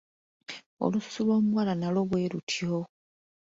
Olususu lw'omuwala nalwo bwe lutyo.